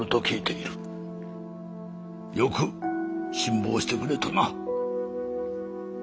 よく辛抱してくれたな。